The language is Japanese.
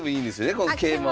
この桂馬は。